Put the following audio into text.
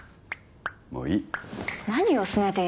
もういい。